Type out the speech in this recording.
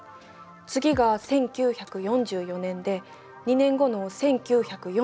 次が１９４４年で２年後の１９４６年。